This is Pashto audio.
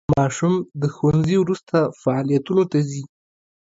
ماشوم د ښوونځي وروسته فعالیتونو ته ځي.